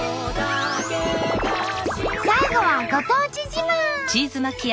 最後はご当地自慢。